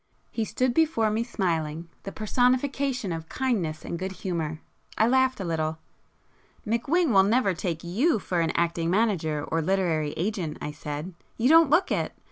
He stood before me smiling, the personification of kindness and good humour. I laughed a little. "McWhing will never take you for an acting manager or literary agent,"—I said—"You don't look it.